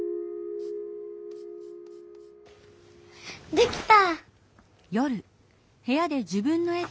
できた！